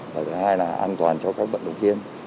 và thứ hai là an toàn cho các vận động viên